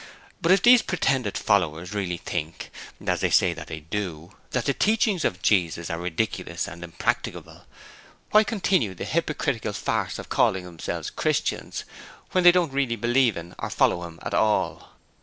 But, if these pretended followers really think as they say that they do that the teachings of Jesus are ridiculous and impracticable, why continue the hypocritical farce of calling themselves 'Christians' when they don't really believe in or follow Him at all?